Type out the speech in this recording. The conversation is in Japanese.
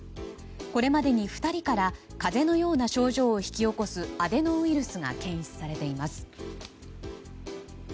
これまでに２人から風邪のような症状を引き起こすアデノウイルスが検出されています。